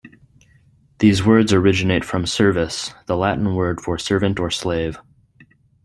These words originate from "servus", the Latin word for servant or slave.